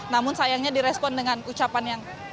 namun sayangnya direspon dengan ucapan yang